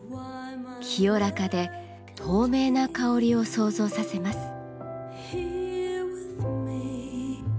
清らかで透明な香りを想像させます。